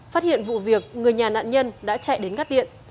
phát hiện vụ việc người nhà nạn nhân đã chạy đến gắt điện